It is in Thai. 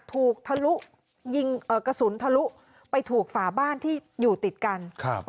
ทะลุยิงกระสุนทะลุไปถูกฝาบ้านที่อยู่ติดกันครับ